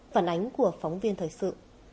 phản ánh của phóng viên thời sự